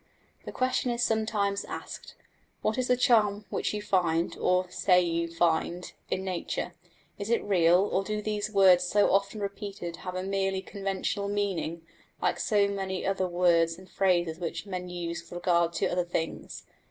The question is sometimes asked, What is the charm which you find, or say you find, in nature? Is it real, or do these words so often repeated have a merely conventional meaning, like so many other words and phrases which men use with regard to other things?